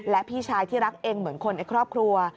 และพี่ชายที่รักเองเหมือนคนในครอบครัว